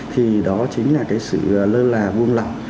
thì đó chính là cái sự lơ là buông lỏng